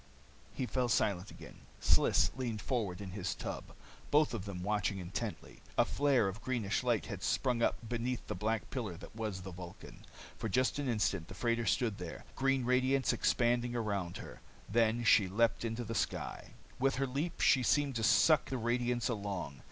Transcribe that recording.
He fell silent again. Sliss leaned forward in his tub. Both of them watched intently. A flare of greenish light had sprung up beneath the black pillar that was the Vulcan. For just an instant the freighter stood there, green radiance expanding around her. Then she leaped into the sky. With her leap, she seemed to suck the radiance along.